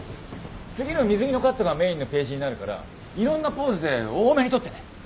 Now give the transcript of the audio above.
次の水着のカットがメインのページになるからいろんなポーズで多めに撮ってね。